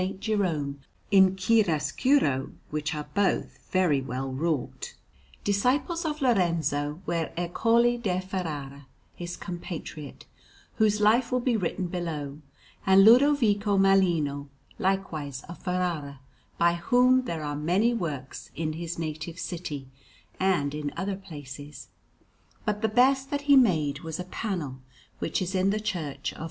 Jerome in chiaroscuro, which are both very well wrought. Disciples of Lorenzo were Ercole da Ferrara, his compatriot, whose Life will be written below, and Lodovico Malino, likewise of Ferrara, by whom there are many works in his native city and in other places; but the best that he made was a panel which is in the Church of S.